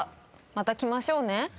また来ましょう。